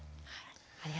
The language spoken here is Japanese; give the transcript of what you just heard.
はい。